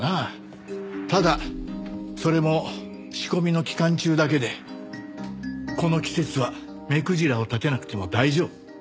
ただそれも仕込みの期間中だけでこの季節は目くじらを立てなくても大丈夫。